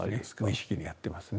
無意識にやってますね。